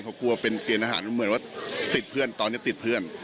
เพราะกลัวเป็นเกณฑ์อาหารเหมือนว่าติดเพื่อนตอนนี้ติดเพื่อน